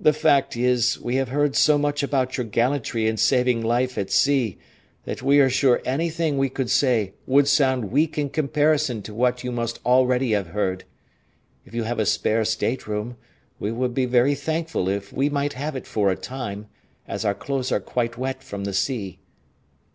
The fact is, we have heard so much about your gallantry in saving life at sea that we are sure anything we could say would sound weak in comparison to what you must already have heard. If you have a spare stateroom, we would be very thankful if we might have it for a time, as our clothes are quite wet from the sea."